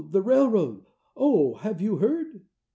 The railroad! Oh, have you heard?"